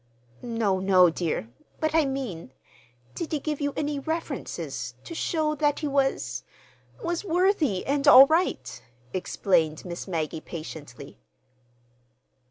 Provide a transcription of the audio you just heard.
"No, no, dear, but I mean—did he give you any references, to show that he was—was worthy and all right," explained Miss Maggie patiently.